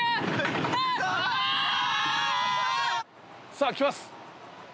さあ来ます。